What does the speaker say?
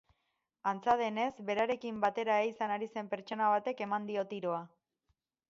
Antza denez, berarekin batera ehizan ari zen pertsona batek eman dio tiroa.